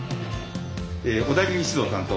小田切指導担当。